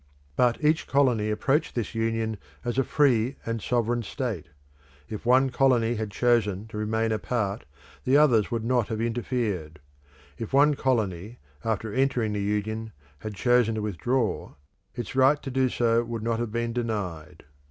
But each colony approached this Union as a free and sovereign state. If one colony had chosen to remain apart, the others would not have interfered; if one colony after entering the Union had chosen to withdraw, its right to do so would not have been denied.